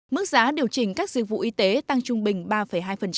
mức giá điều chỉnh các dịch vụ y tế tăng trung bình ba hai